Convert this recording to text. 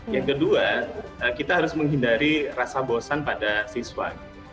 yang kedua kita harus menghindari rasa bosan pada siswa